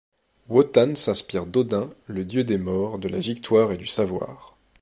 Wotan s'inspire d'Odin, le dieu des morts, de la victoire et du savoir.